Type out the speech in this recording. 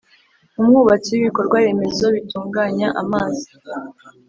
Umwubatsi w ibikorwaremezo bitunganya amazi